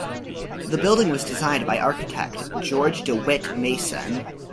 The Building was designed by architect George DeWitt Mason.